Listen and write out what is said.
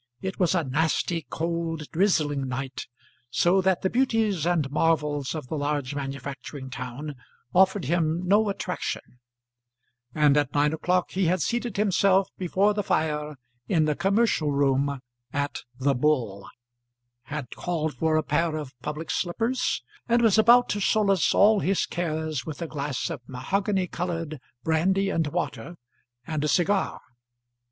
It was a nasty, cold, drizzling night, so that the beauties and marvels of the large manufacturing town offered him no attraction, and at nine o'clock he had seated himself before the fire in the commercial room at The Bull, had called for a pair of public slippers, and was about to solace all his cares with a glass of mahogany coloured brandy and water and a cigar.